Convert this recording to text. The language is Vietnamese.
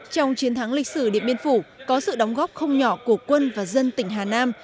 trong chiến thắng lịch sử điện biên phủ có sự đóng góp không nhỏ của quân và dân tỉnh hà nam